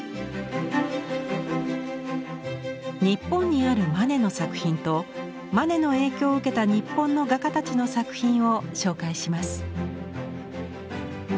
日本にあるマネの作品とマネの影響を受けた日本の画家たちの作品を紹介します。